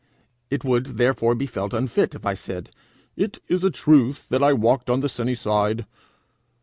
It would therefore be felt unfit if I said, 'It is a truth that I walked on the sunny side.'